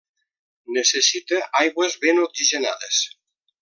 Necessita aigües ben oxigenades.